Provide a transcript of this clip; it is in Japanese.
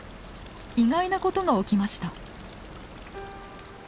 意外なことが起きました。